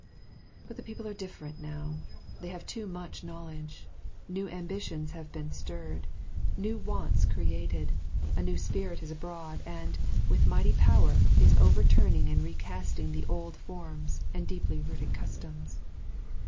But the people are different now; they have too much knowledge. New ambitions have been stirred; new wants created; a new spirit is abroad and, with mighty power, is over turning and recasting the old forms and deeply rooted customs.